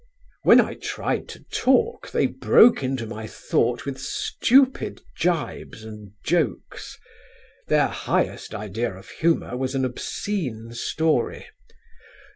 "When I tried to talk they broke into my thought with stupid gibes and jokes. Their highest idea of humour was an obscene story.